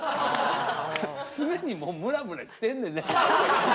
常にムラムラしてんねん廉は。